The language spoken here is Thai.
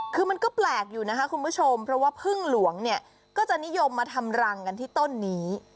คือมันก็แปลกอยู่นะคะคุณผู้ชมเพราะว่าพึ่งหลวงเนี่ยก็จะนิยมมาทำรังกันที่ต้นนี้